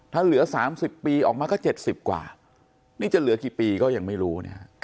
ถ้าเหลือ๓๐ปีออกมาก็๗๐กว่านี่จะเหลือกี่ปีก็ยังไม่รู้